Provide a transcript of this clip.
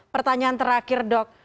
pertanyaan terakhir dok